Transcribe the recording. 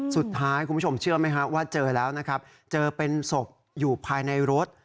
คุณผู้ชมเชื่อไหมฮะว่าเจอแล้วนะครับเจอเป็นศพอยู่ภายในรถ